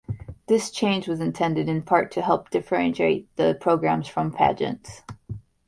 This change was intended in part to help differentiate the program from pageants.